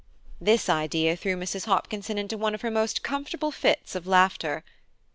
This idea threw Mrs. Hopkinson into one of her most comfortable fits of laughter.